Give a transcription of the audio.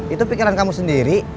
itu pikiran kamu sendiri